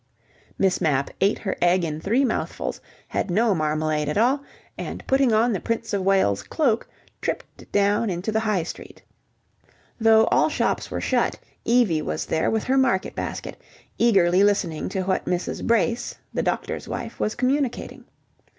Miss Mapp ate her egg in three mouthfuls, had no marmalade at all, and putting on the Prince of Wales's cloak, tripped down into the High Street. Though all shops were shut, Evie was there with her market basket, eagerly listening to what Mrs. Brace, the doctor's wife, was communicating.